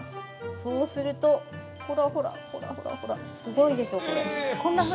そうすると、ほらほらすごいでしょう。